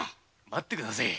待ってくだせぇ。